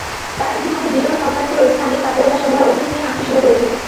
তাঁরা ইতিমধ্যে বিতরণ কোম্পানিগুলোর স্থানীয় কার্যালয়সমূহে অভিযোগ নিয়ে আসতে শুরু করেছেন।